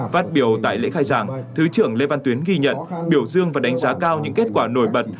phát biểu tại lễ khai giảng thứ trưởng lê văn tuyến ghi nhận biểu dương và đánh giá cao những kết quả nổi bật